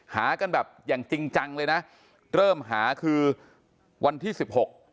หากันแบบอย่างจริงจังเลยนะเริ่มหาคือวันที่สิบหก